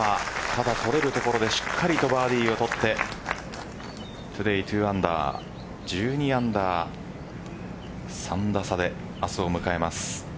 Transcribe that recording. ただ、取れるところでしっかりとバーディーを取ってトゥデイ２アンダー１２アンダー３打差で明日を迎えます。